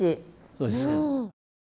そうですか。